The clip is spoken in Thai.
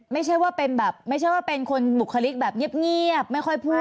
ไม่ใช่ว่าเป็นแบบไม่ใช่ว่าเป็นคนบุคลิกแบบเงียบไม่ค่อยพูด